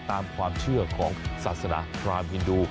ตามความเชื่อของศาสนาพรามฮินดู